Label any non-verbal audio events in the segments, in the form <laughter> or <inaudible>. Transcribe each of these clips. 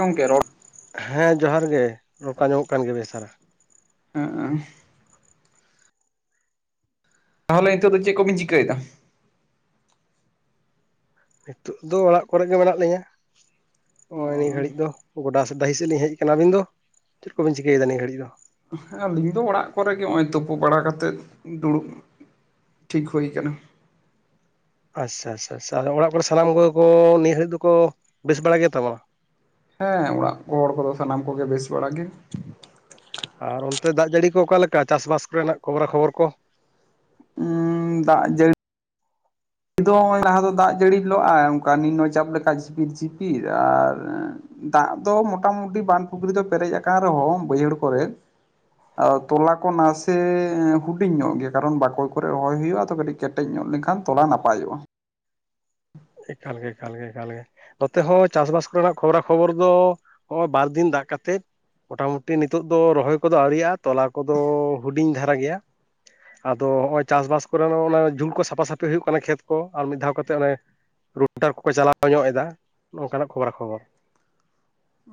ᱜᱚᱢᱠᱮ ᱨᱚᱲ ᱦᱮᱸ ᱡᱚᱦᱟᱨ ᱜᱮ ᱨᱚᱲ ᱠᱚ ᱟᱡᱚᱢᱚᱜ ᱠᱟᱱ ᱜᱮ ᱵᱮᱥ ᱫᱷᱟᱨᱟ᱾ ᱦᱮᱸᱜ ᱮ ᱛᱟᱦᱚᱞᱮ ᱱᱤᱛᱚᱜ ᱫᱚ ᱪᱮᱜ ᱠᱚᱵᱤᱱ ᱪᱤᱠᱟᱹᱭᱫᱟ? ᱱᱤᱛᱚᱜ ᱫᱚ ᱚᱲᱟᱜ ᱠᱚᱨᱮ ᱜᱮ ᱢᱮᱱᱟᱜ ᱞᱤᱧᱟ᱾ ᱱᱚᱜ-ᱚᱭ ᱱᱤᱭᱟᱹ ᱜᱷᱟᱹᱲᱤᱡ ᱦᱮᱸ ᱫᱚ ᱜᱚᱰᱟ ᱥᱮᱫ ᱰᱟᱦᱤ ᱥᱮᱫ ᱞᱤᱧ ᱦᱮᱡ ᱟᱠᱟᱱᱟ ᱟᱵᱤᱱ ᱫᱚ ᱪᱮᱫ ᱠᱚᱵᱤᱱ ᱪᱤᱠᱟᱹᱭᱮᱫᱟ ᱱᱤᱭᱟᱹ ᱜᱷᱟᱹᱲᱤᱡ ᱫᱚ? ᱟᱹᱞᱤᱧ ᱫᱚ ᱚᱲᱟᱜ ᱠᱚᱨᱮᱜ ᱜᱮ ᱱᱚᱜᱼᱚᱭ ᱛᱩᱯᱩ ᱵᱟᱲᱟ ᱠᱟᱛᱮᱫ ᱫᱩᱲᱩᱵ ᱴᱷᱤᱠ ᱦᱩᱭ ᱟᱠᱟᱱᱟ ᱟᱪᱪᱷᱟ ᱟᱪᱪᱷᱟ ᱟᱪᱪᱷᱟ ᱟᱫᱚ ᱚᱲᱟᱜ ᱠᱚᱨᱮ ᱥᱟᱱᱟᱢ ᱠᱚᱜᱮ ᱠᱚ ᱱᱤᱭᱟᱹ ᱜᱷᱟᱹᱲᱤᱡ ᱫᱚᱠᱚ ᱵᱮᱥ ᱵᱟᱲᱟ ᱜᱮ ᱛᱟᱵᱚᱱᱟ ᱦᱮᱸ ᱚᱲᱟᱜ ᱦᱚᱲ ᱠᱚᱫᱚ ᱥᱟᱱᱟᱢ ᱠᱚᱜᱮ ᱵᱮᱥ ᱵᱟᱲᱟ ᱜᱮ ᱟᱨ ᱚᱱᱛᱮ ᱫᱟᱜ ᱡᱟᱹᱲᱤ ᱠᱚ ᱚᱠᱟᱞᱮᱠᱟ ᱪᱟᱥᱵᱟᱥ ᱠᱚᱨᱮᱱᱟᱜ ᱠᱷᱚᱵᱽᱨᱟ ᱠᱷᱚᱵᱚᱨ ᱠᱚ ᱩᱸ ᱫᱟᱜ ᱡᱟᱹᱲᱤ ᱱᱤᱛ ᱫᱚ ᱱᱚᱜ-ᱚᱭ ᱞᱟᱦᱟ ᱫᱚ ᱫᱟᱜ ᱡᱟᱹᱲᱤ ᱞᱟᱜ-ᱟᱭ ᱚᱱᱠᱟ ᱱᱤᱱᱱᱚ ᱪᱟᱵᱽ ᱞᱮᱠᱷᱟ ᱡᱷᱤᱯᱤᱨ ᱡᱷᱤᱯᱤᱨ ᱟᱨ ᱫᱟᱜ ᱫᱚ ᱢᱚᱴᱟᱢᱩᱴᱤ ᱵᱟᱸᱫᱷ ᱯᱩᱠᱷᱨᱤ ᱫᱚ ᱯᱮᱨᱮᱡ ᱟᱠᱟᱱ ᱨᱮᱦᱚᱸ ᱵᱟᱹᱭᱦᱟᱹᱲ ᱠᱚᱨᱮ ᱛᱚᱞᱟ ᱠᱚ ᱱᱟᱥᱮ ᱦᱩᱰᱤᱧ ᱧᱚᱜ ᱜᱮᱭᱟ ᱠᱟᱨᱚᱱ ᱵᱟᱠᱚᱭ ᱠᱚᱨᱮ ᱨᱚᱦᱚᱭ ᱦᱩᱭᱩᱜᱼᱟ ᱟᱫᱚ ᱠᱟᱹᱴᱤᱡ ᱠᱮᱴᱮᱡ ᱧᱚᱜ ᱞᱮᱱᱠᱷᱟᱱ ᱛᱚᱞᱟ ᱱᱟᱯᱟᱭᱚᱜᱼᱟ ᱮᱠᱟᱞ ᱜᱮ ᱮᱠᱟᱞ ᱜᱮ ᱮᱠᱟᱞ ᱜᱮ ᱱᱚᱛᱮ ᱦᱚᱸ ᱪᱟᱥᱵᱟᱥ ᱠᱚᱨᱮᱱᱟᱜ ᱠᱷᱚᱵᱽᱨᱟ ᱠᱷᱚᱵᱚᱨ ᱫᱚ <inaudible> ᱵᱟᱨ ᱫᱤᱱ ᱫᱟᱜ ᱠᱟᱛᱮᱫ ᱢᱚᱴᱟᱢᱩᱴᱤ ᱱᱤᱛᱚᱜ ᱫᱚ ᱨᱚᱦᱚᱭ ᱠᱚᱫᱚ ᱟᱹᱣᱨᱤᱭᱟᱜᱼᱟ ᱛᱚᱞᱟ ᱠᱚᱫᱚ ᱦᱩᱰᱤᱧ ᱫᱷᱟᱨᱟ ᱜᱮᱭᱟ ᱟᱫᱚ ᱱᱚᱜᱼᱚᱭ ᱪᱟᱥᱵᱟᱥ ᱠᱚᱨᱮ ᱫᱚ ᱚᱱᱮ ᱡᱷᱩᱞ ᱠᱚ ᱥᱟᱯᱷᱟᱥᱟᱹᱯᱷᱤ ᱦᱩᱭᱩᱜ ᱠᱟᱱᱟ ᱠᱷᱮᱛ ᱠᱚ ᱟᱨ ᱢᱤᱫ ᱫᱷᱟᱣ ᱠᱟᱛᱮ ᱚᱱᱮ ᱨᱩᱴᱟᱨ ᱠᱚᱠᱚ ᱪᱟᱞᱟᱣ ᱧᱚᱜ ᱮᱫᱟ ᱱᱚᱝᱠᱟᱱᱟᱜ ᱠᱷᱚᱵᱽᱨᱟ ᱠᱷᱚᱵᱚᱨ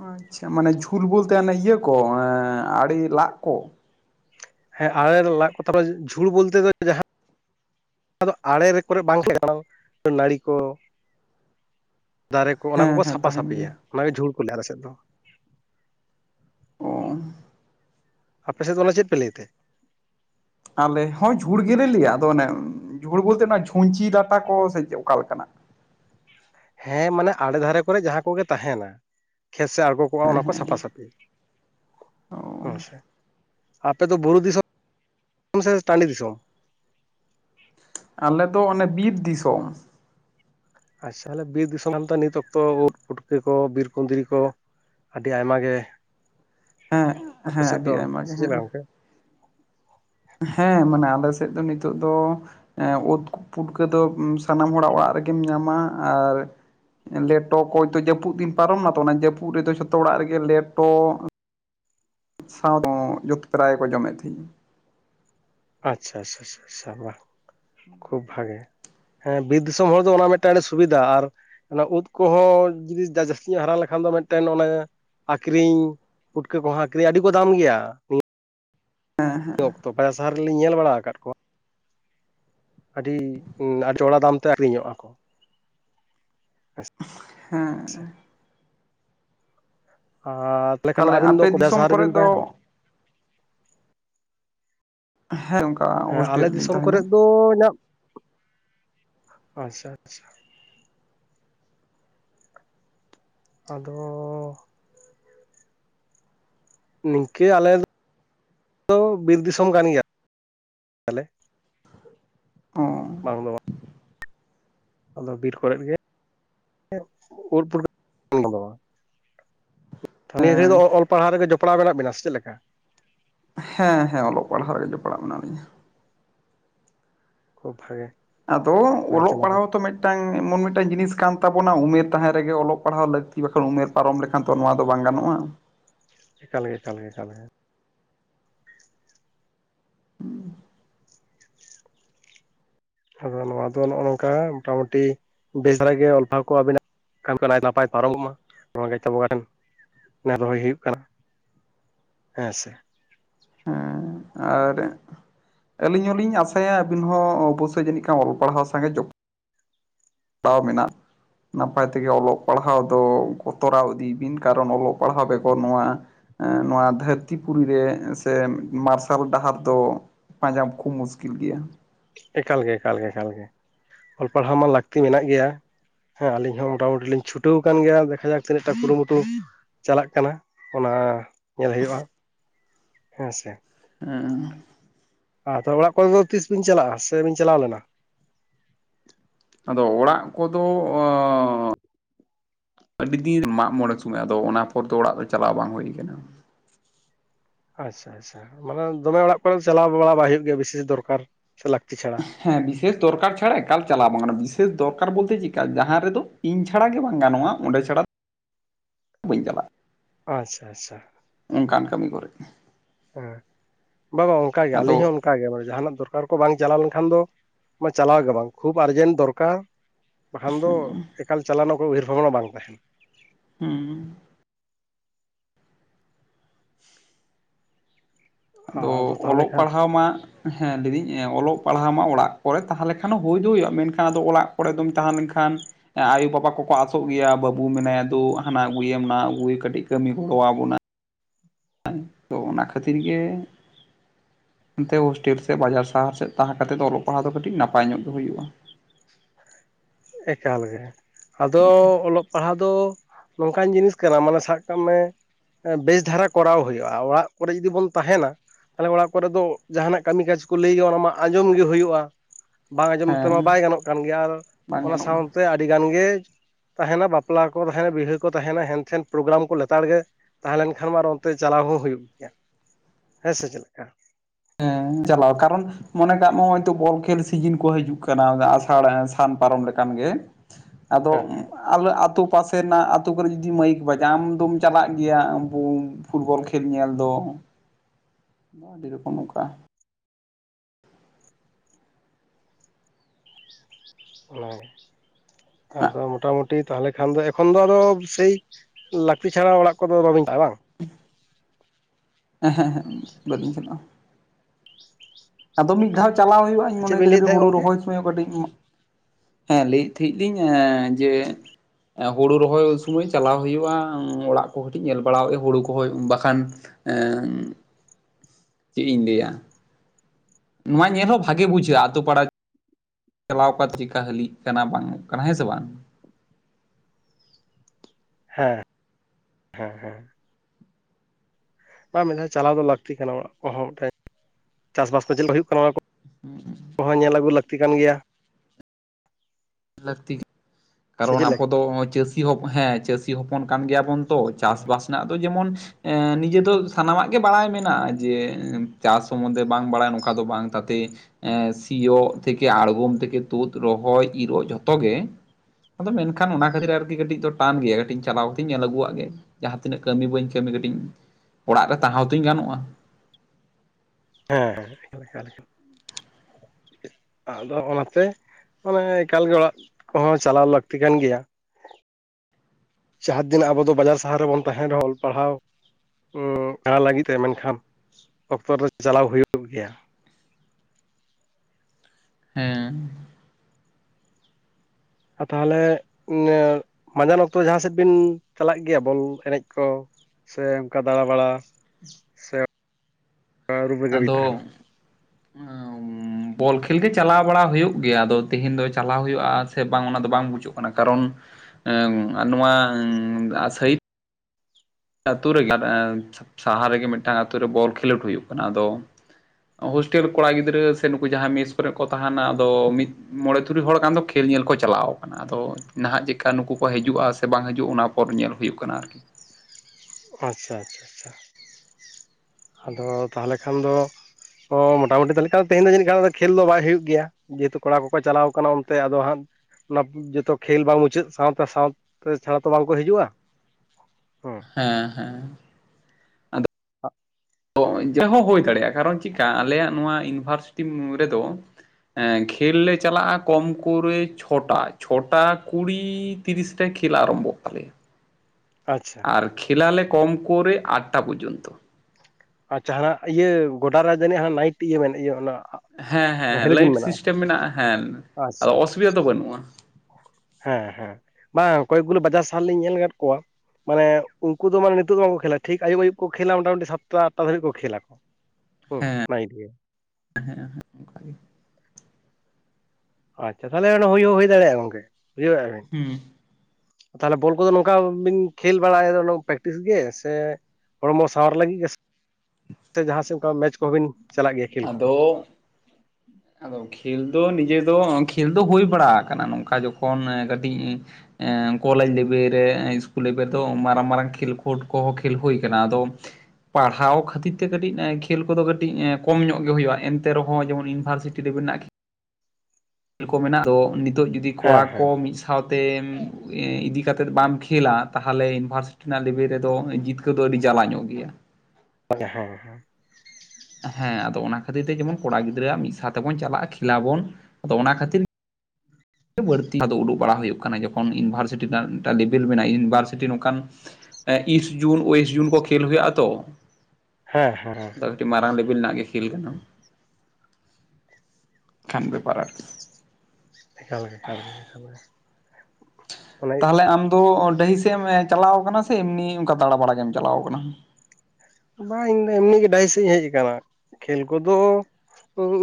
ᱟᱪᱪᱷᱟ ᱢᱟᱱᱮ ᱡᱷᱩᱞ ᱵᱚᱞᱛᱮ ᱚᱱᱮ ᱤᱭᱟᱹ ᱠᱚ ᱟᱲᱮ ᱞᱟᱜ ᱠᱚ ᱦᱮᱸ ᱟᱲᱮ ᱞᱟᱜ ᱠᱚ ᱛᱟᱯᱚᱨᱮ ᱡᱷᱩᱲ ᱵᱚᱞᱛᱮ ᱫᱚ ᱡᱟᱦᱟᱸ ᱟᱫᱚ ᱟᱲᱮ ᱠᱚᱨᱮ ᱵᱟᱝ ᱛᱟᱦᱮᱸ ᱱᱟᱹᱲᱤ ᱠᱚ ᱫᱟᱨᱮ ᱠᱚ ᱚᱱᱟ ᱦᱮᱸ ᱠᱚᱠᱚ ᱦᱮᱸ ᱥᱟᱯ ᱛᱟᱦᱮᱱ ᱥᱟᱹᱯᱷᱤᱭᱟ ᱜᱮᱭᱟ ᱚᱱᱟᱜᱮ ᱡᱷᱩᱲ ᱠᱚ ᱞᱮᱭᱟ ᱟᱞᱮ ᱥᱮᱫ ᱫᱚ ᱳ ᱟᱯᱮ ᱥᱮᱫ ᱫᱚ ᱚᱱᱟ ᱪᱮᱫ ᱯᱮ ᱞᱟᱹᱭᱛᱮ ᱟᱞᱮ ᱦᱚᱸ ᱡᱷᱩᱲ ᱜᱮᱞᱮ ᱞᱟᱹᱭᱟ ᱟᱫᱚ ᱚᱱᱮ ᱡᱷᱩᱲ ᱵᱚᱞᱛᱮ ᱚᱱᱟ ᱡᱷᱩᱧᱪᱤ ᱰᱟᱴᱟ ᱠᱚ ᱥᱮ ᱪᱮᱫ ᱚᱠᱟ ᱞᱮᱠᱟᱱᱟᱜ ᱦᱮᱸ ᱢᱟᱱᱮ ᱟᱲᱮ ᱫᱷᱟᱨᱮ ᱠᱚᱨᱮ ᱡᱟᱦᱟ ᱠᱚᱜᱮ ᱛᱟᱦᱮᱱᱟ ᱠᱷᱮᱛ ᱥᱮᱜ ᱟᱬᱜᱚ ᱠᱚᱜ-ᱟ ᱚᱱᱟ ᱠᱚ ᱥᱟᱯᱷᱟ ᱥᱟᱹᱯᱷᱤ ᱚ ᱦᱚᱸᱥᱮ ᱟᱯᱮᱫᱚ ᱵᱩᱨᱩ ᱫᱤᱥᱚᱢ ᱥᱮ ᱴᱟᱺᱰᱤ ᱫᱤᱥᱚᱢ ᱟᱞᱮ ᱫᱚ ᱚᱱᱮ ᱵᱤᱨ ᱫᱤᱥᱚᱢ ᱟᱪᱪᱷᱟ ᱟᱞᱮ ᱵᱤᱨ ᱫᱤᱥᱚᱢ ᱚᱱᱠᱟ ᱱᱤᱛ ᱚᱠᱛᱚ ᱩᱫ ᱯᱩᱴᱠᱟᱹ ᱠᱚ ᱵᱤᱨ ᱠᱩᱸᱫᱽᱨᱤ ᱠᱚ ᱟᱹᱰᱤ ᱟᱭᱢᱟ ᱜᱮ ᱦᱮᱸ ᱟᱯᱮ ᱦᱮᱸ ᱥᱮᱫ ᱫᱚ ᱟᱹᱰᱤ ᱟᱭᱢᱟ ᱜᱮ ᱪᱮᱫ ᱢᱮᱱᱟᱜ-ᱟ ᱦᱮᱸ ᱜᱚᱢᱠᱮ ᱦᱮᱸ ᱢᱟᱱᱮ ᱟᱞᱮ ᱥᱮᱫ ᱫᱚ ᱱᱤᱛᱚᱜ ᱫᱚ ᱚᱸ ᱩᱫ ᱯᱩᱴᱠᱟᱹ ᱫᱚ ᱥᱟᱱᱟᱢ ᱦᱚᱲᱟᱜ ᱚᱲᱟᱜ ᱨᱮᱜᱮᱢ ᱧᱟᱢᱟ ᱟᱨ ᱞᱮᱴᱚ ᱠᱚ ᱱᱤᱛᱚᱜ ᱡᱟᱹᱯᱩᱫ ᱫᱤᱱ ᱯᱟᱨᱚᱢ ᱱᱟ ᱛᱚ ᱚᱱᱟ ᱡᱟᱹᱯᱩᱫ ᱨᱮᱫᱚ ᱡᱷᱚᱛᱚ ᱚᱲᱟᱜ ᱨᱮᱜᱮ ᱞᱮᱴᱚ ᱥᱟᱶ ᱫᱚ ᱡᱩᱛ ᱛᱟᱨᱟᱭ ᱜᱮᱠᱚ ᱡᱚᱢ ᱮᱫ ᱛᱟᱦᱮ ᱟᱪᱪᱷᱟ ᱟᱪᱪᱷᱟ ᱟᱪᱪᱷᱟ ᱟᱪᱪᱷᱟ ᱵᱟᱝ ᱠᱷᱩᱵᱽ ᱵᱷᱟᱜᱮ ᱦᱮᱸ ᱵᱤᱨ ᱫᱤᱥᱚᱢ ᱦᱚᱲ ᱫᱚ ᱚᱱᱟ ᱢᱤᱫᱴᱟᱝ ᱟᱹᱰᱤ ᱥᱩᱵᱤᱫᱷᱟ ᱟᱨ ᱚᱱᱟ ᱩᱫ ᱠᱚᱦᱚᱸ ᱡᱩᱫᱤ ᱡᱟᱡᱟᱹᱥᱛᱤ ᱧᱚᱜ ᱦᱟᱨᱟ ᱞᱮᱠᱷᱟᱱ ᱫᱚ ᱢᱤᱫᱴᱮᱱ ᱚᱱᱮ ᱟᱠᱷᱨᱤᱧ ᱯᱩᱴᱠᱟᱹ ᱠᱚᱦᱚᱸ ᱟᱠᱷᱨᱤᱧ ᱟᱹᱰᱤ ᱠᱚ ᱫᱟᱢ ᱜᱮᱭᱟ ᱦᱮᱸ ᱦᱮᱸ ᱱᱤᱛᱚᱜ ᱚᱠᱛᱚ ᱵᱟᱡᱟᱨ ᱥᱟᱦᱟᱨ ᱨᱮᱞᱤᱧ ᱧᱮᱞ ᱵᱟᱲᱟ ᱟᱠᱟᱫ ᱠᱚᱣᱟ <inaudible> ᱟᱪᱪᱷᱟ ᱦᱮᱸ ᱟᱨ ᱛᱟᱦᱚᱞᱮ ᱠᱷᱟᱱ ᱫᱚ ᱟᱹᱵᱤᱱ ᱫᱚ ᱟᱯᱮ ᱠᱚᱰᱟ ᱫᱤᱥᱚᱢ ᱥᱟᱦᱟᱨ ᱨᱮ ᱠᱚᱨᱮ ᱵᱤᱱ ᱛᱟᱦᱮᱱᱟ ᱫᱚ ᱦᱮᱸ ᱚᱱᱠᱟ ᱦᱮᱸ ᱟᱞᱮ ᱦᱳᱥᱴᱮᱞ ᱨᱮᱞᱤᱧ ᱫᱤᱥᱚᱢ ᱛᱟᱦᱮᱱᱟ ᱠᱚᱨᱮ ᱫᱚ ᱤᱧᱟᱜ᱾ ᱟᱪᱪᱷᱟ ᱟᱪᱪᱷᱟ ᱟᱫᱚ ᱱᱤᱝᱠᱟᱹ ᱟᱞᱮ ᱵᱤᱨ ᱫᱤᱥᱚᱢ ᱠᱟᱱ ᱜᱮᱭᱟᱞᱮ ᱚ ᱵᱟᱝ ᱫᱚ ᱵᱟᱝ ᱟᱫᱚ ᱵᱤᱨ ᱠᱚᱨᱮᱫ ᱜᱮ ᱩᱫ ᱯᱩᱴᱠᱟᱹ <unintelligible> ᱫᱟᱵᱟᱝ ᱱᱤᱭᱟᱹ ᱜᱷᱟᱹᱲᱤᱡ ᱫᱚ ᱦᱮᱸ ᱚᱞ ᱯᱟᱲᱦᱟᱣ ᱨᱮᱜᱮ ᱡᱚᱯᱲᱟᱣ ᱢᱮᱱᱟᱜ ᱵᱤᱱᱟ ᱥᱮ ᱪᱮᱫ ᱞᱮᱠᱟ ᱦᱮᱸ ᱦᱮᱸ ᱚᱞᱚᱜ ᱯᱟᱲᱦᱟᱣ ᱨᱮᱜᱮ ᱡᱚᱯᱲᱟᱣ ᱢᱮᱱᱟᱜ ᱞᱤᱧᱟᱹ ᱠᱷᱩᱵᱽ ᱵᱷᱟᱜᱮ ᱟᱫᱚ ᱱᱟᱭᱛᱮ ᱚᱞᱚᱜ ᱱᱟᱯᱟᱭ ᱯᱟᱲᱦᱟᱣ ᱛᱚ ᱢᱤᱫ ᱴᱟᱝ ᱮᱢᱚᱱ ᱢᱤᱫᱴᱟᱝ ᱡᱤᱱᱤᱥ ᱠᱟᱱ ᱛᱟᱵᱚᱱᱟ ᱩᱢᱮᱨ ᱛᱟᱦᱮ ᱨᱮᱜᱮ ᱚᱞᱚᱜ ᱯᱟᱲᱦᱟᱣ ᱞᱟᱹᱠᱛᱤ ᱵᱟᱠᱷᱟᱱ ᱩᱢᱮᱨ ᱯᱟᱨᱚᱢ ᱞᱮᱠᱷᱟ ᱟᱫᱚ ᱱᱚᱣᱟ ᱫᱚ ᱵᱟᱝ ᱜᱟᱱᱚᱜᱼᱟ᱾ ᱮᱠᱟᱞ ᱜᱮ ᱮᱠᱟᱞ ᱜᱮ ᱮᱠᱟᱞ ᱜᱮ᱾ ᱦᱩᱸ ᱟᱫᱚ ᱱᱚᱣᱟ ᱫᱚ ᱱᱚᱜᱼᱚ ᱱᱚᱝᱠᱟ ᱢᱚᱴᱟᱢᱩᱴᱤ ᱵᱮᱥ ᱫᱷᱟᱨᱟ ᱜᱮ ᱚᱞᱚᱯᱟᱲᱟᱶ ᱠᱚ ᱟᱵᱤᱱᱟᱜ? ᱠᱟᱢᱤ ᱠᱚ ᱱᱟᱭ ᱱᱟᱯᱟᱭ ᱛᱮ ᱯᱟᱨᱚᱢ ᱢᱟᱜ ᱢᱟ ᱱᱚᱣᱟᱜᱮ ᱵᱟᱝᱜᱟ ᱴᱷᱮᱱ ᱱᱮᱦᱚᱨ ᱫᱚᱦᱚᱭ ᱦᱩᱭᱩᱜ ᱠᱟᱱᱟ ᱾ ᱦᱮᱸ ᱥᱮ ᱦᱮᱸ ᱟᱨ᱾ ᱟᱹᱞᱤᱧ ᱦᱚᱸᱞᱤᱧ ᱟᱥᱟᱭᱟ ᱟᱹᱵᱤᱱ ᱦᱚᱸ ᱚᱵᱚᱥᱥᱟᱹᱭ ᱡᱟᱹᱱᱤᱡ ᱠᱷᱟᱱ ᱚᱞ ᱯᱟᱲᱦᱟᱣ ᱥᱟᱶ ᱡᱚᱯᱲᱚᱣ᱾ ᱛᱟᱣ ᱢᱮᱱᱟᱜ-ᱟ᱾ ᱱᱟᱯᱟᱭ ᱛᱮᱜᱮ ᱚᱞᱚᱜ ᱯᱟᱲᱦᱟᱣ ᱫᱚ ᱛᱚᱨᱟᱶ ᱤᱫᱤᱭ ᱵᱤᱱ ᱠᱟᱨᱚᱱ ᱚᱞᱚᱜ ᱯᱟᱲᱦᱟᱣ ᱵᱮᱜᱚᱨ ᱱᱚᱣᱟ᱾ ᱮ ᱱᱚᱣᱟ ᱫᱷᱟᱨᱛᱤ ᱯᱩᱨᱤ ᱨᱮ ᱥᱮ᱾ ᱛᱮᱢ ᱢᱟᱨᱥᱟᱞ ᱰᱟᱦᱟᱨ ᱫᱚ ᱯᱟᱸᱡᱟ ᱠᱷᱩᱵ ᱢᱩᱥᱠᱤᱞ ᱜᱮᱣᱟ᱾ ᱮᱠᱟᱞ ᱜᱮ ᱮᱠᱟᱞ ᱜᱮ ᱮᱠᱟᱞ ᱜᱮ ᱚᱞ ᱯᱟᱲᱦᱟᱣ ᱢᱟ ᱞᱟᱹᱠᱛᱤ ᱢᱮᱱᱟᱜ ᱜᱮᱣᱟ᱾ ᱦᱮᱸ ᱟᱞᱤᱧ ᱦᱚ ᱢᱚᱴᱟᱢᱩᱴᱤ ᱞᱤᱧ ᱪᱷᱩᱴᱟᱹᱣ ᱠᱟᱱ ᱜᱮᱣᱟ ᱫᱮᱠᱷᱟ ᱡᱟᱠ ᱛᱤᱱᱟᱹᱜ ᱴᱟ ᱠᱩᱨᱩᱢᱩᱴᱩ᱾ ᱪᱟᱞᱟᱜ ᱠᱟᱱᱟ ᱚᱱᱟ ᱧᱮᱞ ᱦᱚᱣᱚᱜᱼᱟ ᱦᱮᱸ ᱥᱮ᱾ ᱩᱸ ᱟᱛᱚ ᱚᱲᱟᱜ ᱠᱚᱨᱮ ᱫᱚ ᱛᱤᱥ ᱵᱤᱱ ᱪᱟᱞᱟᱜᱼᱟ ᱥᱮ ᱵᱤᱱ ᱪᱟᱞᱟᱣ ᱞᱮᱱᱟ? ᱟᱫᱚ ᱚᱲᱟᱜ ᱠᱚᱫᱚ ᱚᱻ ᱟᱹᱰᱤ ᱫᱤᱱ ᱢᱟᱜ ᱢᱚᱬᱮ ᱥᱚᱢᱚᱭ ᱟᱫᱚ ᱚᱱᱟ ᱯᱚᱨ ᱪᱟᱞᱟᱣ ᱵᱟᱝ ᱦᱩᱭ ᱟᱠᱟᱱᱟ᱾ ᱟᱪᱪᱷᱟ ᱟᱪᱪᱷᱟ ᱢᱟᱱᱮ ᱫᱚᱢᱮ ᱚᱲᱟᱜ ᱠᱚᱨᱮ ᱪᱟᱞᱟᱣ ᱵᱟᱲᱟ ᱵᱟᱭ ᱦᱩᱭᱩᱜ ᱜᱮᱣᱟ ᱵᱤᱥᱤ ᱫᱚᱨᱠᱟᱨ ᱥᱮ ᱞᱟᱹᱠᱛᱤ ᱪᱷᱲᱟ᱾ ᱦᱮᱸ ᱵᱤᱥᱮᱥ ᱫᱚᱨᱠᱟᱨ ᱪᱷᱟᱲᱟ ᱮᱠᱟᱞ ᱪᱟᱞᱟᱣ ᱵᱟᱝ ᱜᱟᱱᱚᱜᱟ ᱵᱤᱥᱮᱥ ᱫᱚᱨᱠᱟᱨ ᱵᱚᱞᱛᱮ ᱪᱮᱫ ᱠᱟ ᱡᱟᱦᱟᱸ ᱨᱮᱫᱚ᱾ ᱤᱧ ᱪᱷᱟᱲᱟ ᱜᱮ ᱵᱟᱝ ᱜᱟᱱᱚᱜᱼᱟ ᱚᱸᱰᱮ ᱪᱷᱟᱲᱟ ᱵᱟᱹᱧ ᱪᱟᱞᱟᱜᱼᱟ᱾ ᱟᱪᱪᱷᱟ ᱟᱪᱪᱷᱟ ᱚᱱᱠᱟᱱ ᱠᱟᱹᱢᱤ ᱠᱚᱨᱮ᱾ ᱦᱮᱸ ᱵᱟᱵᱟ ᱚᱱᱠᱟ ᱜᱮ ᱟᱫᱚ ᱟᱹᱞᱤᱧ ᱦᱚᱸ ᱚᱝ ᱚᱱᱠᱟᱜ ᱜᱮ ᱢᱟᱱᱮ ᱡᱟᱦᱟᱱᱟᱜ ᱫᱚᱨᱠᱟᱨ ᱠᱚ ᱵᱟᱝ ᱪᱟᱞᱟᱣ ᱞᱮᱱᱠᱷᱟᱱ ᱫᱚ ᱢᱟ ᱪᱟᱞᱟᱣ ᱜᱮ ᱵᱟᱝ ᱠᱷᱩᱵ ᱟᱨᱡᱮᱱᱴ ᱫᱚᱨᱠᱟᱨ᱾ ᱵᱟᱠᱷᱟᱱ ᱫᱚ ᱮᱠᱟᱞ ᱪᱟᱞᱟᱣ ᱠᱚᱱᱚ ᱩᱤᱦᱟᱹᱨ ᱨ ᱵᱷᱟᱵᱱᱟ ᱵᱟᱝ ᱛᱟᱦᱮᱱ᱾ ᱦᱩᱸ ᱟᱫᱚ ᱛᱟᱦᱚᱞᱮ ᱚᱞᱚᱜ ᱠᱷᱟᱱ ᱯᱟᱲᱦᱟᱣ ᱢᱟ᱾ ᱦᱮᱸ ᱞᱟᱹᱭᱫᱟᱹᱧ ᱚᱞᱚᱜ ᱯᱟᱲᱦᱟᱣ ᱢᱟ ᱚᱲᱟᱜ ᱠᱚᱨᱮ ᱛᱟᱦᱮ ᱞᱮᱠᱷᱟᱱ ᱦᱩᱭ ᱫᱚ ᱦᱩᱭᱩᱜᱼᱟ ᱢᱮᱱᱠᱷᱟᱱ ᱟᱫᱚ ᱚᱲᱟᱜ ᱠᱚᱨᱮ ᱫᱚᱢ ᱛᱟᱦᱮ ᱞᱮᱱᱠᱷᱟᱱ᱾ ᱮᱸ ᱟᱭᱳᱵᱟᱵᱟ ᱠᱚ ᱟᱥᱚᱜ ᱜᱮᱭᱟ ᱵᱟᱹᱵᱩ ᱢᱮᱱᱟᱣᱟ ᱫᱩ ᱦᱟᱱᱟ ᱟᱹᱜᱩᱭᱮᱢ ᱱᱟᱣᱟ ᱟᱜᱩᱭᱮᱢ ᱠᱟᱹᱴᱤᱡ ᱠᱟᱹᱢᱤ ᱜᱚᱲᱚ ᱟᱵᱚᱱᱟ ᱦᱮᱸ ᱛᱚ ᱚᱱᱟ ᱠᱷᱟᱹᱛᱤᱨ ᱜᱮᱸ᱾ ᱱᱚᱛᱮ ᱦᱳᱥᱴᱮᱞ ᱥᱮ ᱵᱟᱡᱟᱨ ᱥᱟᱦᱟᱨ ᱥᱮᱫ ᱛᱟᱦᱮᱸ ᱠᱟᱛᱮ ᱫᱚ ᱚᱞᱚᱜ ᱯᱟᱲᱦᱟᱜ ᱫᱚ ᱠᱟᱹᱴᱤᱡ ᱱᱟᱯᱟᱭ ᱧᱚᱜ ᱜᱮ ᱦᱩᱭᱩᱜᱼᱟ᱾ ᱮᱠᱟᱞ ᱜᱮ ᱟᱫᱚ ᱚᱞᱚᱜ ᱯᱟᱲᱦᱟᱣ ᱫᱚ ᱱᱚᱝᱠᱟᱱ ᱡᱤᱱᱤᱥ ᱠᱟᱱᱟ ᱢᱟᱱᱮ ᱥᱟᱵ ᱠᱟᱜ ᱢᱮ᱾ ᱵᱮᱥ ᱫᱷᱟᱨᱟ ᱠᱚᱨᱟᱣ ᱦᱩᱭᱩᱜᱼᱟ ᱚᱲᱟᱜ ᱠᱚᱨᱮ ᱡᱩᱫᱤ ᱵᱚᱱ ᱛᱟᱦᱮᱱᱟ᱾ ᱛᱟᱦᱚᱞᱮ ᱚᱲᱟᱜ ᱠᱚᱨᱮ ᱢᱟ ᱡᱟᱦᱟᱱᱟᱜ ᱠᱟᱹᱢᱤ ᱠᱟᱡᱽ ᱠᱚ ᱞᱟᱹᱭᱟ ᱚᱱᱟ ᱢᱟ ᱟᱸᱡᱚᱢ ᱜᱮ ᱦᱩᱭᱩᱜᱼᱟ᱾ ᱵᱟᱝ ᱟᱸᱡᱚᱢ ᱦᱮᱸ ᱛᱮᱢᱟ ᱵᱟᱭ ᱜᱟᱱᱚᱜ ᱠᱟᱱ ᱜᱮᱣᱟ ᱟᱨ ᱵᱟᱝ ᱚᱱᱟ ᱜᱟᱱᱚᱜ ᱠᱟᱱᱟ ᱥᱟᱶᱛᱮ ᱟᱹᱰᱤᱜᱟᱱ ᱜᱮ᱾ ᱛᱟᱦᱮᱱᱟ ᱵᱟᱯᱞᱟ ᱠᱚ ᱛᱟᱦᱮᱱᱟ ᱵᱤᱦᱟᱹ ᱠᱚ ᱛᱟᱦᱮᱱᱟ ᱦᱮᱱᱛᱮᱱ ᱯᱨᱳᱜᱨᱟᱢ ᱠᱚ ᱞᱮᱛᱟᱲ ᱜᱮ ᱛᱟᱦᱮᱸ ᱞᱮᱱᱠᱷᱟᱱ ᱢᱟ ᱟᱨ ᱚᱱᱛᱮ ᱪᱟᱞᱟᱣ ᱦᱚᱸ ᱦᱩᱭᱩᱜ ᱜᱮᱭᱟ ᱦᱮᱸ ᱥᱮ ᱪᱮᱫ ᱞᱮᱠᱟ? ᱦᱮᱸ ᱪᱟᱞᱟᱣ ᱠᱟᱨᱚᱱ ᱢᱚᱱᱮ ᱠᱟᱜ ᱢᱮ ᱱᱚᱜᱟᱭᱛᱚ ᱵᱚᱞ ᱠᱷᱮᱞ ᱥᱤᱡᱤᱱ ᱠᱚ ᱦᱤᱡᱩᱜ ᱠᱟᱱᱟ ᱟᱥᱟᱲ ᱥᱟᱱ ᱯᱟᱨᱚᱢ ᱞᱮᱠᱟᱱ ᱜᱮᱸ ᱟᱫᱚ ᱦᱮᱸ ᱟᱞᱮ ᱟᱛᱳ ᱯᱟᱥᱮ ᱨᱮᱱᱟᱜ ᱟᱛᱩ ᱠᱚᱨᱮ ᱡᱩᱫᱤ ᱢᱟᱹᱭᱤᱠ ᱵᱟᱡᱟᱣ ᱫᱚᱢ ᱪᱟᱞᱟᱜ ᱜᱮᱣᱟ ᱟᱵᱩ᱾ ᱯᱷᱩᱴᱵᱚᱞ ᱠᱷᱮᱞ ᱧᱮᱞ ᱫᱚ ᱟᱹᱰᱤ ᱨᱚᱠᱚᱢ ᱱᱚᱝᱠᱟ᱾ ᱚᱱᱟᱜᱮ ᱟᱫᱚ ᱢᱚᱴᱟ ᱢᱩᱴᱤ ᱴᱤ ᱛᱟᱦᱚᱞᱮ ᱠᱷᱟᱱ ᱫᱚ ᱮᱠᱷᱚᱱ ᱫᱚ ᱟᱫᱚ ᱥᱮᱭ ᱞᱟᱹᱠᱛᱤ ᱪᱷᱟᱲᱟ ᱚᱲᱟᱜ ᱠᱚᱫᱚ ᱵᱟᱵᱤᱱ ᱪᱟᱞᱟᱜᱼᱟ ᱵᱟᱝ? ᱮᱦᱮᱸ ᱮᱦᱮᱸᱜ ᱵᱟᱹᱞᱤᱧ ᱪᱟᱞᱟᱜᱼᱟ ᱟᱫᱚ ᱢᱤᱫ ᱫᱷᱟᱣ ᱪᱟᱞᱟᱣ ᱦᱩᱭᱩᱜᱼᱟ ᱤᱧ ᱪᱮᱫ ᱢᱚᱱᱮᱭ ᱵᱤᱱ ᱫᱟ ᱞᱟᱹᱭᱮᱫ ᱡᱩᱫᱤ ᱛᱟᱦᱮᱸᱫ ᱦᱩᱲᱩ ᱜᱚᱝᱠᱮ ᱨᱚᱦᱚᱭ ᱥᱚᱢᱚᱭ ᱦᱚᱸ ᱠᱟᱹᱴᱤᱡ ᱦᱮᱸ ᱞᱟᱹᱭᱮᱫ ᱛᱟᱦᱮᱸᱜ ᱞᱤᱧ ᱡᱮ ᱦᱩᱲᱩ ᱨᱚᱦᱚᱭ ᱥᱚᱢᱚᱭ ᱪᱟᱞᱟᱣ ᱦᱩᱭᱩᱜᱼᱟ ᱚᱲᱟᱜ ᱠᱚ ᱠᱟᱹᱴᱤᱡ ᱧᱮᱞ ᱵᱟᱲ ᱦᱩᱭᱩᱜᱼᱟ ᱦᱩᱲᱩ ᱠᱚᱦᱚᱭ ᱵᱟᱠᱷᱟᱱ ᱮᱸ ᱪᱮᱫ ᱤᱧ ᱞᱟᱹᱭᱟ ᱱᱚᱣᱟ ᱧᱮᱞ ᱦᱚᱸ ᱵᱷᱟᱜᱮ ᱵᱩᱡᱷᱟᱹᱜᱼᱟ ᱟᱹᱛᱳ ᱯᱟᱲᱟ ᱪᱟᱞᱟᱣ ᱠᱚᱛᱮ ᱪᱤᱠᱟ ᱦᱟᱹᱞᱤᱜ ᱠᱟᱱᱟ ᱵᱟᱝ ᱠᱟᱱᱟ ᱦᱮᱸ ᱥᱮ ᱵᱟᱝ ᱦᱮᱸ ᱦᱮᱸ ᱦᱮᱸ ᱵᱟᱝ ᱢᱮᱫ ᱫᱷᱟᱶ ᱪᱟᱞᱟᱣ ᱫᱚ ᱞᱟᱹᱠᱛᱤ ᱠᱟᱱᱟ ᱚᱲᱟᱜ ᱠᱚᱦᱚᱸ ᱢᱤᱫᱴᱮᱡ ᱪᱟᱥ ᱵᱟᱥ ᱫᱚ ᱪᱮᱫ ᱞᱮᱠᱟ ᱦᱩᱭᱩᱜ ᱠᱟᱱᱟ ᱚᱱᱟ <unintelligible> ᱦᱚᱸ ᱧᱮᱞ ᱟᱹᱜᱩ ᱞᱟᱹᱠᱛᱤ ᱠᱟᱱ ᱜᱮᱭᱟ ᱞᱟᱹᱠᱛᱤ ᱥᱮ ᱠᱟᱨᱚᱱ ᱪᱮᱫ ᱞᱮᱠᱟ ᱟᱵᱚᱫᱚ ᱪᱟᱹᱥᱤ ᱦᱚᱯᱚᱱ ᱦᱮᱸ ᱪᱟᱹᱥᱤ ᱦᱚᱯᱚᱱ ᱠᱟᱱ ᱜᱮᱭᱟᱵᱚᱱ ᱛᱚ ᱪᱟᱥᱵᱟᱥ ᱨᱮᱱᱟᱜ ᱫᱚ ᱡᱮᱢᱚᱱ ᱮᱸ ᱱᱤᱡᱮ ᱫᱚ ᱥᱟᱱᱟᱢᱟᱜ ᱜᱮ ᱵᱟᱲᱟᱭ ᱢᱮᱱᱟᱜᱼᱟ ᱡᱮ ᱪᱟᱥ ᱥᱚᱢᱚᱱᱫᱷᱮ ᱵᱟᱝ ᱵᱟᱲᱟᱭ ᱱᱚᱝᱠᱟ ᱫᱚ ᱵᱟᱝ ᱛᱟᱛᱮ ᱮᱸ ᱥᱤᱭᱳᱜ ᱛᱷᱮᱠᱮ ᱟᱬᱜᱚᱢ ᱛᱷᱮᱠᱮ ᱛᱳᱫ ᱨᱚᱦᱚᱭ ᱤᱨᱚᱜ ᱡᱷᱚᱛᱚ ᱜᱮ ᱟᱫᱚ ᱢᱮᱱ ᱠᱷᱟᱱ ᱚᱱᱟ ᱠᱷᱟᱹᱛᱤᱨ ᱟᱨᱠᱤ ᱠᱟᱹᱴᱤᱡ ᱫᱚ ᱴᱟᱱ ᱜᱮᱭᱟ ᱠᱟᱹᱴᱤᱡ ᱪᱟᱞᱟᱣ ᱠᱟᱛᱤᱧ ᱧᱮᱞ ᱟᱹᱜᱩᱣᱟᱜ ᱜᱮ ᱡᱟᱦᱟᱸ ᱛᱤᱱᱟᱹᱜ ᱠᱟᱹᱢᱤ ᱵᱟᱹᱧ ᱠᱟᱹᱢᱤ ᱠᱟᱹᱴᱤᱡ ᱚᱲᱟᱜ ᱨᱮ ᱛᱟᱦᱮᱸ ᱦᱚᱛᱚᱧ ᱜᱟᱱᱚᱜᱼᱟ ᱦᱮᱸ ᱦᱮᱸ ᱮᱠᱟᱞ ᱮᱠᱟᱞ ᱮᱠᱟᱞ ᱜᱮ <inaudible> ᱟᱫᱚ ᱚᱱᱟ ᱛᱮ ᱢᱟᱱᱮ ᱮᱠᱟᱞ ᱜᱮ ᱚᱲᱟᱜ ᱠᱚᱦᱚᱸ ᱪᱟᱞᱟᱣ ᱞᱟᱹᱠᱛᱤ ᱠᱟᱱ ᱜᱮᱭᱟ ᱡᱟᱦᱟᱸ ᱛᱤᱱᱟᱹᱜ ᱟᱵᱚ ᱫᱚ ᱵᱟᱡᱟᱨ ᱥᱟᱦᱟᱨ ᱨᱮᱵᱚᱱ ᱛᱟᱦᱮᱱ ᱨᱮᱦᱚᱸ ᱚᱞᱚᱜ ᱯᱟᱲᱦᱟᱣ <unintelligible> ᱞᱟᱹᱜᱤᱫ ᱛᱮ ᱢᱮᱱ ᱠᱷᱟᱱ ᱚᱠᱛᱚ ᱨᱮ ᱪᱟᱞᱟᱣ ᱦᱩᱭᱩᱜ ᱜᱮᱭᱟ ᱦᱮᱸ ᱟᱨ ᱛᱟᱦᱚᱞᱮ ᱤᱱᱟᱹ ᱢᱟᱡᱟᱱ ᱚᱠᱛᱚ ᱡᱟᱦᱟᱸ ᱥᱮᱫ ᱵᱤᱱ ᱪᱟᱞᱟᱜ ᱜᱮᱭᱟ ᱵᱚᱞ ᱮᱱᱮᱡ ᱠᱚ ᱥᱮ ᱚᱱᱠᱟ ᱫᱟᱬᱟ ᱵᱟᱲᱟ ᱥᱮ ᱨᱩᱢ ᱨᱮᱜᱮ ᱵᱤᱱ ᱟᱫᱚ ᱛᱟᱦᱮᱱᱟ ᱵᱚᱞ ᱠᱷᱮᱞ ᱜᱮ ᱪᱟᱞᱟᱣ ᱵᱟᱲᱟ ᱦᱩᱭᱩᱜ ᱜᱮᱭᱟ ᱟᱫᱚ ᱛᱮᱦᱤᱧ ᱫᱚ ᱪᱟᱞᱟᱣ ᱦᱩᱭᱩᱜᱼᱟ ᱥᱮ ᱵᱟᱝ ᱚᱱᱟ ᱫᱚ ᱵᱟᱝ ᱵᱩᱡᱩᱜ ᱠᱟᱱᱟ ᱠᱟᱨᱚᱱ ᱮᱸ ᱱᱚᱣᱟ ᱫᱟᱜ ᱥᱟᱭᱤᱰ ᱟᱛᱳ ᱨᱮᱜᱮ ᱟᱨ ᱮ ᱥᱟᱦᱟ ᱨᱮᱜᱮ ᱢᱤᱫ ᱴᱟᱝ ᱟᱛᱳ ᱨᱮ ᱵᱚᱞ ᱠᱷᱮᱞᱳᱰ ᱦᱩᱭᱩᱜ ᱠᱟᱱᱟ ᱟᱫᱚ ᱦᱳᱥᱴᱮᱞ ᱠᱚᱲᱟ ᱜᱤᱫᱽᱨᱟᱹ ᱥᱮ ᱱᱩᱠᱩ ᱡᱟᱦᱟᱸᱭ ᱢᱮᱥ ᱠᱚᱨᱮ ᱠᱚ ᱛᱟᱦᱮᱱᱟ ᱟᱫᱚ ᱢᱤᱫ ᱢᱚᱬᱮ ᱛᱩᱨᱩᱭ ᱦᱚᱲ ᱜᱟᱱ ᱫᱚ ᱠᱷᱮᱞ ᱧᱮᱞ ᱠᱚ ᱪᱟᱞᱟᱣ ᱟᱠᱟᱱᱟ ᱟᱫᱚ ᱱᱟᱦᱟᱜ ᱪᱮᱠᱟ ᱱᱩᱠᱩ ᱠᱚ ᱦᱤᱡᱩᱜᱼᱟ ᱥᱮ ᱵᱟᱝ ᱦᱤᱡᱩᱜ ᱚᱱᱟ ᱯᱚᱨ ᱧᱮᱞ ᱦᱩᱭᱩᱜ ᱠᱟᱱᱟ ᱟᱨᱠᱤ ᱟᱪᱪᱷᱟ ᱟᱫᱚ ᱛᱟᱦᱚᱞᱮ ᱠᱷᱟᱱ ᱫᱚ ᱚ ᱢᱚᱴᱟ ᱢᱩᱴᱤ ᱛᱟᱦᱮᱞᱮ ᱠᱷᱟᱱ ᱛᱮᱦᱮᱧ ᱫᱚ ᱡᱟᱹᱱᱤᱡ ᱠᱷᱟᱱ ᱠᱷᱮᱞ ᱫᱚ ᱵᱟᱭ ᱦᱩᱭᱩᱜ ᱜᱮᱭᱟ ᱡᱮᱦᱮᱛᱩ ᱠᱚᱲᱟ ᱠᱚᱠᱚ ᱪᱟᱞᱟᱣ ᱟᱠᱟᱱᱟ ᱚᱱᱛᱮ ᱟᱫᱚ ᱦᱟᱸᱜ ᱚᱱᱟ ᱡᱚᱛᱚ ᱠᱷᱮᱞ ᱵᱟᱝ ᱢᱩᱪᱟᱹᱫ ᱥᱟᱶ ᱛᱮ ᱥᱟᱶ ᱛᱮ ᱪᱷᱟᱲᱟ ᱛᱚ ᱵᱟᱝ ᱠᱚ ᱦᱤᱡᱩᱜᱼᱟ <inaudible> ᱦᱩᱸ ᱦᱮᱸ ᱦᱮᱸ <inaudible> <unintelligible> ᱦᱳᱭ ᱫᱟᱲᱮᱭᱟᱜᱼᱟ ᱠᱟᱨᱚᱱ ᱪᱮᱠᱟ ᱟᱞᱮᱭᱟᱜ ᱱᱚᱣᱟ ᱤᱭᱩᱱᱤᱵᱷᱟᱨᱥᱤᱴᱤ ᱨᱮᱫᱚ ᱠᱷᱮᱞ ᱞᱮ ᱪᱟᱞᱟᱜᱼᱟ ᱠᱚᱢ ᱠᱚᱨᱮ ᱪᱷᱚᱴᱟ ᱪᱷᱚᱴᱟ ᱠᱩᱲᱤ ᱛᱤᱨᱤᱥ ᱨᱮ ᱠᱷᱮᱞ ᱟᱨᱟᱢᱵᱚᱜ ᱛᱟᱞᱮᱭᱟ ᱟᱪᱪᱷᱟ ᱟᱨ ᱠᱷᱮᱞᱟᱞᱮ ᱠᱚᱢ ᱠᱚᱨᱮ ᱟᱴᱴᱟ ᱯᱚᱨᱡᱚᱱᱛᱚ ᱟᱨ ᱡᱟᱦᱟᱱᱟᱜ ᱤᱭᱟᱹ ᱜᱚᱰᱟ ᱨᱮ ᱡᱟᱹᱱᱤᱡ ᱱᱟᱭᱤᱴ ᱤᱭᱟᱹ ᱢᱮᱱᱮ ᱤᱭᱟᱹ ᱚᱱᱟ ᱦᱮᱸ ᱦᱮᱸ ᱦᱮᱸ ᱞᱟᱭᱤᱴ ᱥᱤᱥᱴᱮᱢ ᱢᱮᱱᱟᱜᱼᱟ ᱦᱮᱸ ᱟᱪᱪᱷᱟ ᱟᱫᱚ ᱟᱪᱪᱷᱟ ᱚᱥᱵᱤᱫᱟ ᱫᱚ ᱵᱟᱹᱱᱩᱜᱼᱟ ᱦᱮᱸ ᱦᱮᱸ ᱵᱟᱝ ᱠᱚᱭᱮᱠ ᱜᱩᱞᱳ ᱵᱟᱡᱟᱨ ᱥᱟᱦᱟᱨ ᱨᱮᱞᱤᱧ ᱧᱮᱞ ᱟᱠᱟᱫ ᱠᱚᱣᱟ ᱢᱟᱱᱮ ᱩᱱᱠᱩ ᱫᱚ ᱢᱟᱱᱮ ᱱᱤᱛᱚᱜ ᱫᱚ ᱵᱟᱝ ᱠᱚ ᱠᱷᱮᱞᱟ ᱴᱷᱤᱠ ᱟᱭᱩᱵ ᱟᱭᱩᱵ ᱠᱚ ᱠᱷᱮᱞᱟ ᱢᱚᱴᱟ ᱢᱩᱴᱤ ᱥᱟᱛᱴᱟ ᱟᱴᱴᱟ ᱫᱷᱟᱹᱵᱤᱡ ᱠᱚ ᱠᱷᱮᱞᱟ ᱠᱚ ᱦᱩᱸ ᱱᱟᱭᱤᱴ ᱜᱮ ᱦᱮᱸ ᱦᱮᱸ ᱚᱱᱟ ᱜᱮ ᱟᱪᱪᱷᱟ ᱛᱟᱦᱚᱞᱮ ᱚᱱᱟ ᱦᱩᱭ ᱦᱚᱸ ᱦᱩᱭ ᱫᱟᱲᱮᱭᱟᱜᱼᱟ ᱜᱚᱝᱠᱮ ᱵᱩᱡᱷᱣ ᱫᱟ ᱵᱤᱱ ᱦᱩᱸ ᱛᱟᱦᱚᱞᱮ ᱵᱚᱞ ᱠᱚᱫᱚ ᱱᱚᱝᱠᱟ ᱵᱤᱱ ᱠᱷᱮᱞ ᱵᱟᱲᱟᱭ ᱫᱟ ᱯᱮᱠᱴᱤᱥ ᱜᱮ ᱥᱮ ᱦᱚᱲᱢᱚ ᱥᱟᱣᱟᱨ ᱞᱟᱹᱜᱤᱫ ᱜᱮ ᱥᱮ ᱡᱟᱦᱟᱸ ᱥᱮᱫ ᱚᱱᱠᱟ ᱢᱮᱪ ᱠᱚ ᱵᱤᱱ ᱪᱟᱞᱟᱜ ᱜᱮᱭᱟ ᱠᱷᱮᱞ ᱠᱚ ᱟᱫᱚ ᱟᱫᱚ ᱠᱷᱮᱞ ᱫᱚ ᱱᱤᱡᱮ ᱫᱚ ᱠᱷᱮᱞ ᱫᱚ ᱦᱩᱭ ᱵᱟᱲᱟ ᱟᱠᱟᱱᱟ ᱱᱚᱝᱠᱟ ᱡᱚᱠᱷᱚᱱ ᱠᱟᱹᱴᱤᱡ ᱠᱚᱞᱮᱡᱽ ᱞᱮᱵᱮᱞ ᱨᱮ ᱤᱥᱠᱩᱞ ᱞᱮᱵᱮᱞ ᱫᱚ ᱢᱟᱨᱟᱝ ᱢᱟᱨᱟᱝ ᱠᱷᱮᱞ ᱠᱚᱰ ᱠᱚᱦᱚᱸ ᱠᱷᱮᱞ ᱦᱩᱭ ᱠᱟᱱᱟ ᱟᱫᱚ ᱯᱟᱲᱦᱟᱣ ᱠᱷᱟᱹᱛᱤᱨ ᱛᱮ ᱠᱟᱹᱴᱤᱡ ᱠᱷᱮᱞ ᱠᱚᱫᱚ ᱠᱟᱹᱴᱤᱡ ᱮ ᱠᱚᱢ ᱧᱚᱜ ᱜᱮ ᱦᱩᱭᱩᱜᱼᱟ ᱮᱱᱛᱮ ᱨᱮᱦᱚᱸ ᱡᱮᱢᱚᱱ ᱵᱷᱟᱨᱥᱤᱴᱤ ᱨᱮ ᱢᱮᱱᱟᱜᱼᱟ ᱠᱷᱮᱞ ᱠᱷᱮᱞ ᱠᱚ ᱢᱮᱱᱟᱜ ᱛᱚ ᱱᱤᱛᱚᱜ ᱡᱩᱫᱤ ᱠᱚᱲᱟ ᱦᱮᱸ ᱠᱚ ᱦᱮᱸ ᱢᱤᱫ ᱥᱟᱶ ᱛᱮ ᱤᱫᱤ ᱠᱟᱛᱮᱫ ᱵᱟᱢ ᱠᱷᱮᱞᱟ ᱛᱟᱦᱚᱞᱮ ᱤᱭᱩᱱᱤᱵᱷᱟᱨᱥᱤᱴᱤ ᱨᱮᱱᱟᱜ ᱞᱮᱵᱮᱞ ᱨᱮᱫᱚ ᱡᱤᱛ ᱠᱟᱹᱨ ᱫᱚ ᱟᱹᱰᱤ ᱡᱟᱞᱟ ᱧᱚᱜ ᱜᱮᱭᱟ ᱛᱟᱦᱚᱞᱮ ᱦᱮᱸ ᱦᱮᱸ ᱦᱮᱸ ᱟᱫᱚ ᱚᱱᱟ ᱠᱷᱟᱹᱛᱤᱨ ᱛᱮ ᱡᱮᱢᱚᱱ ᱠᱚᱲᱟ ᱜᱤᱫᱽᱨᱟᱹᱣᱟᱜ ᱢᱤᱫ ᱥᱟᱶ ᱛᱮᱵᱚᱱ ᱪᱟᱞᱟᱜᱼᱟ ᱠᱷᱮᱞᱟᱵᱚᱱ ᱟᱫᱚ ᱚᱱᱟ ᱠᱷᱟᱹᱛᱤᱨ ᱵᱟᱹᱲᱛᱤ ᱟᱫᱚ ᱩᱰᱩᱠ ᱵᱟᱲᱟ ᱦᱩᱭᱩᱜ ᱠᱟᱱᱟ ᱡᱚᱠᱷᱚᱱ ᱤᱱᱵᱷᱟᱨᱥᱤᱴᱤ ᱛᱟᱢ ᱢᱤᱫᱴᱟᱝ ᱰᱤᱯᱮᱞ ᱢᱮᱱᱟᱜᱼᱟ ᱤᱱᱵᱷᱟᱨᱥᱤᱴᱤ ᱱᱚᱝᱠᱟᱱ ᱤᱥ ᱡᱩᱱ ᱚᱳᱭᱮᱥ ᱡᱩᱱ ᱠᱚ ᱠᱷᱮᱞ ᱦᱩᱭᱩᱜ ᱟ ᱛᱚ ᱦᱮᱸ ᱦᱮᱸ ᱟᱫᱚ ᱠᱟᱴᱤᱡ ᱢᱟᱨᱟᱝ ᱞᱮᱵᱮᱞ ᱨᱮᱱᱟᱜ ᱜᱮ ᱠᱷᱮᱞ ᱠᱟᱱᱟ ᱠᱷᱟᱱ ᱵᱮᱯᱟᱨ ᱟᱨ ᱮᱠᱟᱞ ᱜᱮ ᱮᱠᱟᱞ ᱚᱱᱮ ᱛᱟᱦᱚᱞᱮ ᱟᱢ ᱫᱚ ᱰᱟᱹᱦᱤ ᱥᱮ ᱮᱢ ᱪᱟᱞᱟᱣ ᱠᱟᱱᱟ ᱥᱮ ᱮᱢᱱᱤ ᱚᱱᱠᱟ ᱫᱟᱬᱟ ᱵᱟᱲᱟᱜ ᱜᱮᱢ ᱪᱟᱞᱟᱣ ᱠᱟᱱᱟ ᱵᱟᱝ ᱤᱧ ᱫᱚ ᱮᱢᱱᱤ ᱜᱮ ᱰᱟᱹᱦᱤ ᱥᱮᱫ ᱤᱧ ᱦᱮᱡ ᱠᱟᱱᱟ ᱠᱷᱮᱞ ᱠᱚᱫᱚ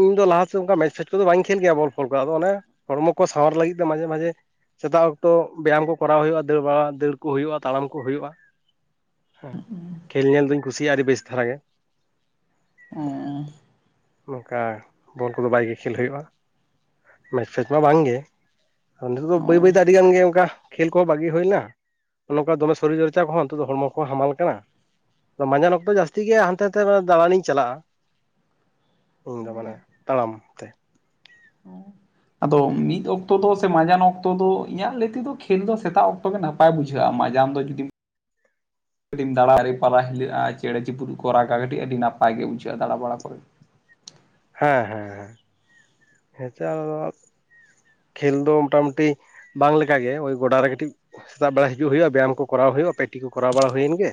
ᱤᱧ ᱫᱚ ᱞᱟᱦᱟ ᱥᱮ ᱚᱱᱠᱟ ᱢᱮᱪ ᱯᱷᱮᱪ ᱠᱚᱫᱚ ᱵᱟᱹᱧ ᱠᱷᱮᱞ ᱜᱮᱭᱟ ᱵᱚᱞ ᱯᱷᱚᱞ ᱠᱚ ᱟᱫᱚ ᱚᱱᱮ ᱦᱚᱲᱢᱚ ᱠᱚ ᱥᱟᱣᱟᱨ ᱞᱟᱹᱜᱤᱫ ᱛᱮ ᱢᱟᱡᱷᱮ ᱢᱟᱡᱷᱮ ᱥᱮᱛᱟᱜ ᱚᱠᱛᱚ ᱵᱮᱭᱟᱢ ᱠᱚ ᱠᱚᱨᱟᱣ ᱦᱩᱭᱩᱜᱼᱟ ᱫᱟᱹᱲ ᱵᱟᱲᱟ ᱫᱟᱹᱲ ᱠᱚ ᱦᱩᱭᱩᱜᱼᱟ ᱛᱟᱲᱟᱢ ᱠᱚ ᱦᱩᱭᱩᱜᱼᱟ ᱦᱮᱸ ᱠᱷᱮᱞ ᱧᱮᱞ ᱫᱩᱧ ᱠᱩᱥᱤᱭᱟᱜᱼᱟ ᱟᱹᱰᱤ ᱵᱮᱥ ᱫᱷᱟᱨᱟ ᱜᱮ ᱚᱸ ᱱᱚᱝᱠᱟ ᱵᱚᱞ ᱠᱚᱫᱚ ᱵᱷᱟᱜᱮ ᱜᱮ ᱠᱷᱮᱞ ᱦᱩᱭᱩᱜᱼᱟ ᱢᱮᱪ ᱯᱷᱮᱪ ᱢᱟ ᱵᱟᱝᱜᱮ ᱱᱤᱛ ᱫᱚ ᱵᱟᱹᱭ ᱵᱟᱹᱭᱛᱮ ᱚᱸ ᱟᱹᱰᱤ ᱜᱟᱱ ᱜᱮ ᱚᱱᱠᱟ ᱠᱷᱮᱞ ᱠᱚᱦᱚᱸ ᱵᱟᱹᱜᱤ ᱦᱩᱭᱱᱟ ᱱᱚᱝᱠᱟ ᱫᱚᱢᱮ ᱥᱚᱨᱤᱨ ᱪᱚᱨᱪᱟ ᱠᱚᱦᱚᱸ ᱱᱤᱛᱚ ᱫᱚ ᱦᱚᱲᱢᱚ ᱠᱚᱦᱚᱸ ᱦᱟᱢᱟᱞ ᱠᱟᱱᱟ ᱢᱟᱸᱡᱟᱱ ᱚᱠᱛᱚ ᱡᱟᱹᱥᱛᱤ ᱜᱮ ᱦᱟᱱᱛᱮ ᱱᱟᱛᱮ ᱫᱟᱲᱟᱱ ᱤᱧ ᱪᱟᱞᱟᱜᱼᱟ ᱤᱧ ᱫᱚ ᱢᱟᱱᱮ ᱛᱟᱲᱟᱢ ᱛᱮ ᱦᱮᱸ ᱟᱫᱚ ᱢᱤᱫ ᱚᱠᱛᱚ ᱫᱚ ᱥᱮ ᱢᱟᱡᱟᱱ ᱚᱠᱛᱚ ᱫᱚ ᱤᱧᱟᱹᱜ ᱞᱟᱹᱭ ᱛᱮᱫᱚ ᱠᱷᱮᱞ ᱫᱚ ᱥᱮᱛᱟᱜ ᱚᱠᱛᱚ ᱜᱮ ᱱᱟᱯ ᱱᱟᱯᱟᱭ ᱵᱩᱡᱷᱟᱹᱜᱼᱟ ᱢᱟᱡᱟᱢ ᱫᱚ ᱡᱩᱫᱤᱢ ᱠᱟᱹᱴᱤᱡ ᱫᱟᱲᱟ ᱫᱟᱨᱮ ᱯᱟᱞᱟ ᱦᱤᱞᱟᱹᱜᱼᱟ ᱪᱮᱸᱬᱮ ᱪᱩᱯᱨᱩᱫ ᱠᱚ ᱨᱟᱜᱟ ᱠᱟᱹᱴᱤᱡ ᱟᱹᱰᱤ ᱱᱟᱯᱟᱭ ᱜᱮ ᱵᱩᱡᱷᱟᱹᱜᱼᱟ ᱫᱟᱲᱟ ᱵᱟᱲᱟ ᱠᱚ ᱦᱮᱸ ᱦᱮᱸ ᱦᱮᱸᱪᱚ ᱠᱷᱮᱞ ᱫᱚ ᱢᱚᱴᱟᱢᱩᱴᱤ ᱵᱟᱝ ᱞᱮᱠᱟ ᱜᱮ ᱳᱭ ᱜᱚᱰᱟ ᱨᱮ ᱠᱟᱹᱴᱤᱡ ᱥᱮᱛᱟᱜ ᱵᱮᱲᱟ ᱦᱤᱡᱩᱜ ᱦᱩᱭᱩᱜᱼᱟ ᱵᱮᱭᱟᱢ ᱠᱚ ᱠᱚᱨᱟᱣ ᱦᱩᱭᱩᱜᱼᱟ ᱯᱮᱴᱤ ᱠᱚ ᱠᱚᱨᱟᱣ ᱵᱟᱲᱟ ᱦᱩᱭᱮᱱ ᱜᱮ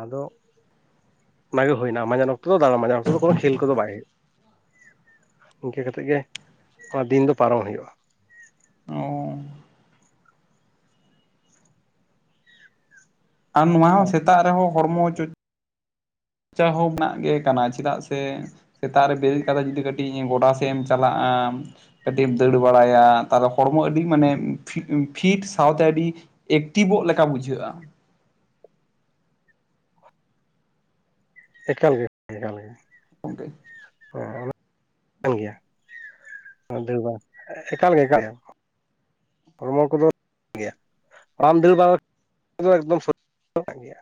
ᱟᱫᱚ ᱚᱱᱟ ᱜᱮ ᱦᱩᱭᱱᱟ ᱢᱟᱡᱟᱱ ᱚᱠᱛᱚ ᱫᱟᱲᱟ ᱢᱟᱡᱟᱱ ᱚᱠᱛᱚ ᱫᱚ ᱠᱳᱱᱳ ᱠᱷᱮᱞ ᱠᱚᱫᱚ ᱵᱟᱭ ᱤᱱᱠᱟᱹ ᱠᱟᱛᱮᱫ ᱜᱮ ᱱᱚᱣᱟ ᱫᱤᱱ ᱫᱚ ᱯᱟᱨᱚᱢ ᱦᱩᱭᱩᱜᱼᱟ ᱚᱻ ᱟᱨ ᱱᱚᱣᱟ ᱦᱚᱸ ᱥᱮᱛᱟᱜ ᱨᱮᱦᱚᱸ ᱦᱚᱲᱢᱚ ᱪᱟ ᱦᱚᱸᱜ ᱢᱮᱱᱟᱜ ᱜᱮ ᱠᱟᱱᱟ ᱪᱮᱫᱟᱜ ᱥᱮ ᱥᱮᱛᱟᱜ ᱨᱮ ᱵᱮᱨᱮᱫ ᱠᱟᱛᱮ ᱡᱩᱫᱤ ᱠᱟᱹᱴᱤᱡ ᱜᱚᱰᱟ ᱥᱮᱜ ᱮᱢ ᱪᱟᱞᱟᱜᱼᱟ ᱠᱟᱹᱴᱤᱡ ᱮᱢ ᱫᱟᱹᱲ ᱵᱟᱲᱟᱭᱟ ᱛᱟᱦᱚᱞᱮ ᱦᱚᱲᱢᱚ ᱟᱹᱰᱤ ᱢᱟᱱᱮ ᱯᱷᱤᱴ ᱥᱟᱶᱛᱮ ᱟᱹᱰᱤ ᱮᱠᱴᱤᱵᱚᱜ ᱞᱮᱠᱟ ᱵᱩᱡᱷᱟᱹᱜᱼᱟ ᱮᱠᱟᱞᱜᱮ ᱮᱠᱟᱞᱜᱮ ᱜᱚᱝᱠᱮ ᱦᱮᱸ ᱠᱟᱱ ᱜᱮᱭᱟ ᱮᱠᱟᱞ ᱜᱮ ᱮᱠᱟ ᱜᱮ ᱦᱚᱲᱢᱚ ᱠᱚᱫᱚ ᱴᱷᱤᱠ ᱜᱮᱭᱟ ᱨᱟᱢ ᱫᱚ ᱵᱟᱝ ᱮᱠᱫᱚᱢ ᱜᱮᱭᱟ